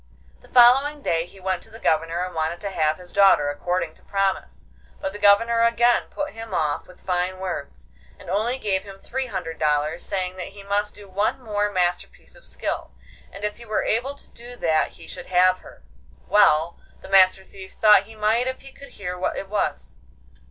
The following day he went to the Governor and wanted to have his daughter according to promise. But the Governor again put him off with fine words, and only gave him three hundred dollars, saying that he must do one more masterpiece of skill, and if he were but able to do that he should have her. Well, the Master Thief thought he might if he could hear what it was.